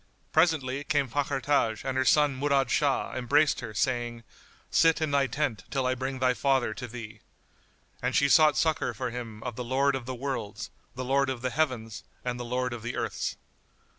Presently came Fakhr Taj, and her son Murad Shah embraced her saying, "Sit in thy tent till I bring thy father to thee." And she sought succour for him of the Lord of the Worlds, the Lord of the heavens and the Lord of the earths.